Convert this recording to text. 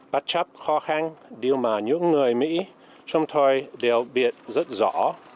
bất chấp khó khăn điều mà những người mỹ trong thời đều biện rất rõ